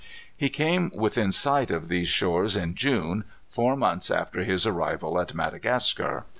He came within sight of these shores in June, four months after his arrival at Madagascar.